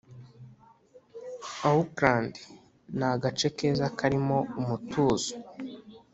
auckland ni agace keza karimo umutuzo